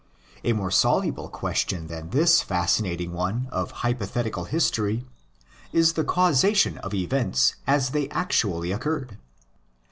A more soluble question than this fascinating one of hypothetical history is the causation of events as they actually occurred.